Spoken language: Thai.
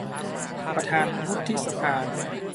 ประธานวุฒิสภา